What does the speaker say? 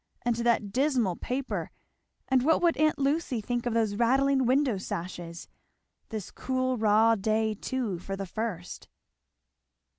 and to that dismal paper! and what would aunt Lucy think of those rattling window sashes! this cool raw day too, for the first!